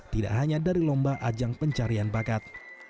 tidak hanya dari lomba ajang pencarian bakat